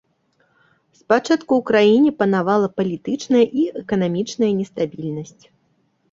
Спачатку ў краіне панавала палітычная і эканамічная нестабільнасць.